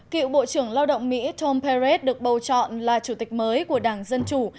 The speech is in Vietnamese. cựu bộ trưởng lao động mỹ tom perez được bầu chọn là chủ tịch mới của đảng dân chủ